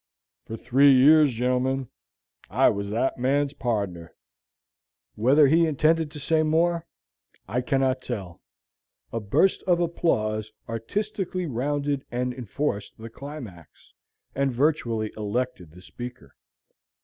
For three years, gentlemen, I was that man's pardner! " Whether he intended to say more, I cannot tell; a burst of applause artistically rounded and enforced the climax, and virtually elected the speaker.